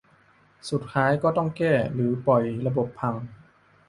สุดท้ายก็ต้องแก้ หรือปล่อยระบบพัง